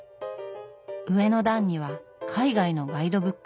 上の段には海外のガイドブック。